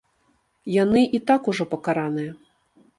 Яны і так ужо пакараныя.